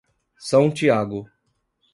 São Tiago